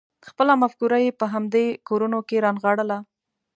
خپله مفکوره یې په همدې کورونو کې رانغاړله.